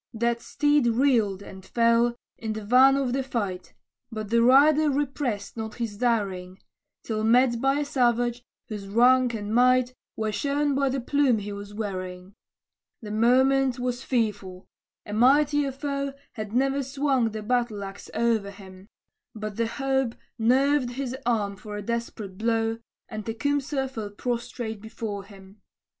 That steed reeled, and fell, in the van of the fight, But the rider repressed not his daring, Till met by a savage, whose rank and might Were shown by the plume he was wearing. The moment was fearful; a mightier foe Had ne'er swung the battle axe o'er him; But hope nerved his arm for a desperate blow, And Tecumseh fell prostrate before him.